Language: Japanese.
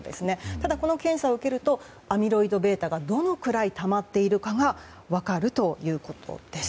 ただ、この検査を受けるとアミロイドβがどのくらいたまっているかが分かるということです。